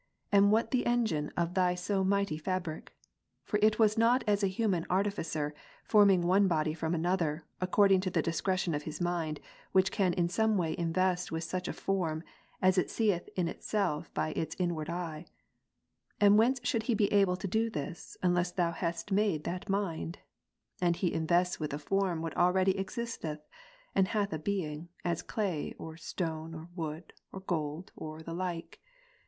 and what the engine of Thy so mighty fabric ? For it was not as a human artificer, forming one body from another, according to the discretion of his mind, which can in some way invest with sucha form, as it seethin itself by its inwardeye^'. And whence should he be able to do this, unless Thou hadst made that mind ? and he invests with a form what already existeth, and hath a being, as clay, or stone, or wood, or gold, or the like.